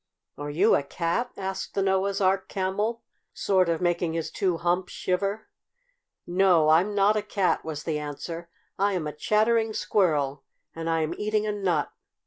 "Are you a cat?" asked the Noah's Ark Camel, sort of making his two humps shiver. "No, I'm not a cat," was the answer. "I am a Chattering Squirrel, and I am eating a nut.